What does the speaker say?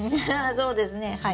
そうですねはい。